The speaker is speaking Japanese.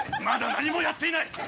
まだ何もやっていない